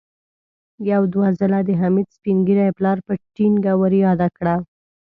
يو دوه ځله د حميد سپين ږيري پلار په ټينګه ور ياده کړه.